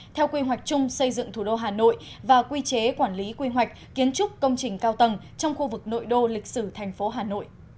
theo quy hoạch chung xây dựng thủ đô hà nội và quy chế quản lý quy hoạch kiến trúc công trình cao tầng trong khu vực nội đô lịch sử thành phố hà nội